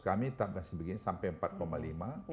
kami kasih begini sampai empat lima